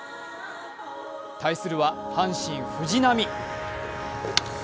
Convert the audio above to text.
対するは阪神・藤浪。